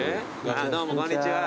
どうもこんにちは。